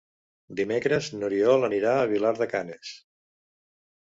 Dimecres n'Oriol anirà a Vilar de Canes.